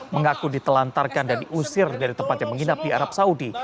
mengaku ditelantarkan dan diusir dari tempatnya menginap di arab saudi